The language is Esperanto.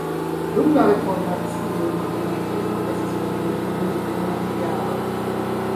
Dum la reformacio la monaĥejo estis fermita dum pluraj jaroj.